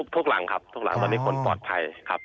หลังครับทุกหลังตอนนี้คนปลอดภัยครับ